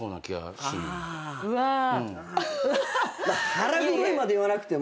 腹黒いまで言わなくても。